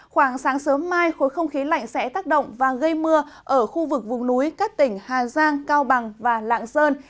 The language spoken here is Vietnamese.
khoảng sáng sớm mai khối không khí lạnh sẽ tác động và gây mưa ở khu vực vùng núi các tỉnh hà giang cao bằng và lạng sơn